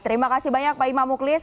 terima kasih banyak pak imam muklis